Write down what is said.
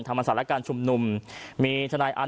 ทางรองศาสตร์อาจารย์ดรอคเตอร์อัตภสิตทานแก้วผู้ชายคนนี้นะครับ